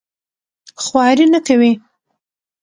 خواري نه کوي.